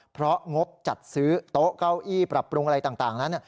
เพราะงบจัดซื้อโต๊ะเก้าอี้ปรับปรุงอะไรต่างนั้น